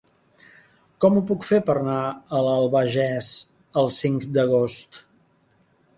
Com ho puc fer per anar a l'Albagés el cinc d'agost?